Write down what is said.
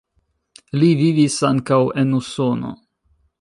Li vivis ankaŭ en Usono.